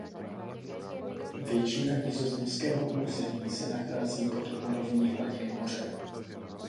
Většina nizozemského území se nachází pod úrovní hladiny moře.